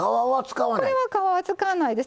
これは皮は使わないです。